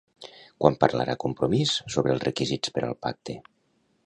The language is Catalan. Quan parlarà Compromís sobre els requisits per al pacte?